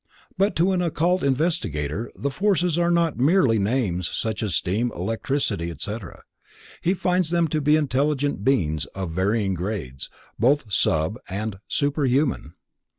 But to an occult investigator the forces are not merely names such as steam, electricity, etc. He finds them to be intelligent beings of varying grades, both sub and superhuman.